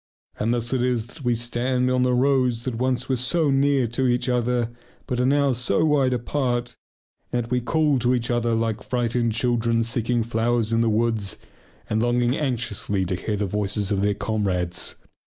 And thus it is that we stand on the roads that once were so near each other but are now so wide apart and that we call to each other like frightened children seeking flowers in the woods and longing anxiously to hear the voices of their comrades.